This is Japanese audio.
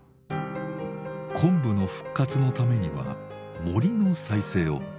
昆布の復活のためには森の再生を。